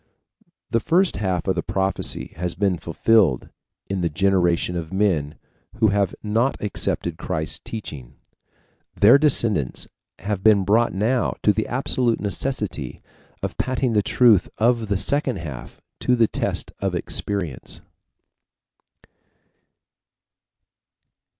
The first half of the prophecy has been fulfilled in the generation of men who have not accepted Christ's teaching, Their descendants have been brought now to the absolute necessity of patting the truth of the second half to the test of experience.